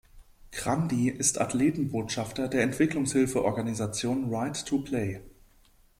Grandi ist Athletenbotschafter der Entwicklungshilfeorganisation Right To Play.